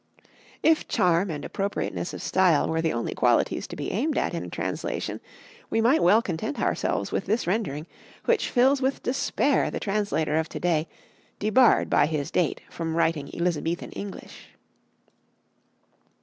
If charm and appropriateness of style were the only qualities to be aimed at in a translation, we might well content ourselves with this rendering, which fills with despair the translator of to day, debarred by his date from writing Elizabethan English.